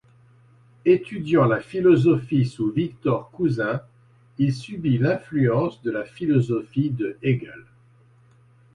Étudiant la philosophie sous Victor Cousin, il subit l’influence de la philosophie de Hegel.